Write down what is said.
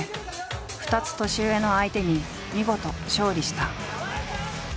２つ年上の相手に見事勝利した。